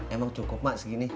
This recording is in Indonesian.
emang cukup mak segini